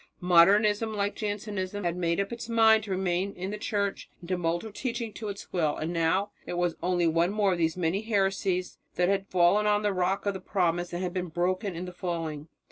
Modernism, like Jansenism, had made up its mind to remain in the Church and to mould her teaching to its will; and now it was only one more of the many heresies that had fallen on the rock of the promise and been broken in the falling.